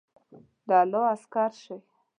د الله عسکر شئ!